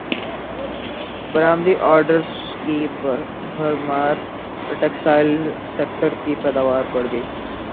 برامدی orders کی بھرمار textile سیکٹرکی پیداوار بڑھ گئی